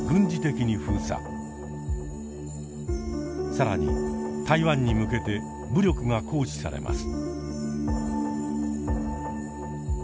更に台湾に向けて武力が行使されます。